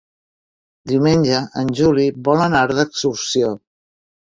Diumenge en Juli vol anar d'excursió.